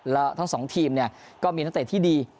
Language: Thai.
แล้วทั้ง๒ทีมก็มีนะเตะที่ดี